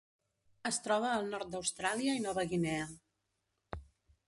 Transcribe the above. Es troba al nord d'Austràlia i Nova Guinea.